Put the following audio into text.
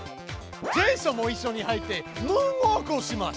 ジェイソンもいっしょに入ってムーンウォークをします！